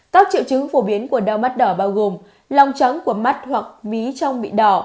các triệu chứng phổ biến của đau mắt đỏ bao gồm lòng trắng của mắt hoặc ví trong bị đỏ